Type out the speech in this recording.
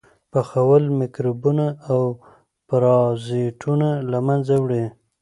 پخول میکروبونه او پرازیټونه له منځه وړي.